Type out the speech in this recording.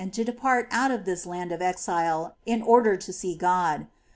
419 to depart out of this land of exile in order to see Go J.